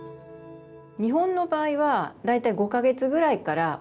日本の場合は大体５か月ぐらいからお試しをして。